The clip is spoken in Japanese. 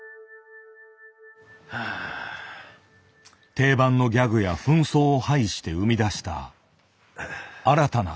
定番のギャグや扮装を排して生み出した新たなコント。